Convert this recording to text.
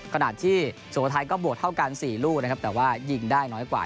ขณะที่สุโขทัยก็บวกเท่ากัน๔ลูกนะครับแต่ว่ายิงได้น้อยกว่า